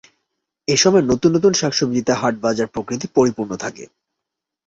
এসময় নতুন নতুন শাকসবজিতে হাট-বাজার, প্রকৃতি পরিপূর্ণ থাকে।